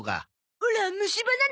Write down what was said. オラ虫歯なの？